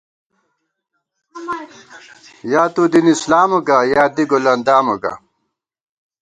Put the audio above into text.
یا تُو دینِ اسلامہ گا، یا دی گل اندامہ گا